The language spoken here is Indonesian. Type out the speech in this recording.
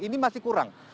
ini masih kurang